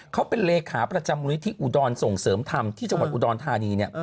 เขาเป็นเลขาประจำมูลนิธิอุดรส่งเสริมธรรมที่จังหวัดอุดรธานี